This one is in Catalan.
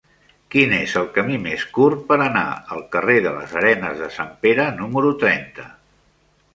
Quin és el camí més curt per anar al carrer de les Arenes de Sant Pere número trenta?